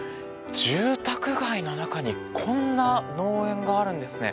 住宅街の中にこんな農園があるんですね。